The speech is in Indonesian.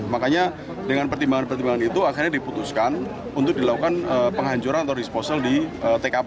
makanya dengan pertimbangan pertimbangan itu akhirnya diputuskan untuk dilakukan penghancuran atau disposal di tkp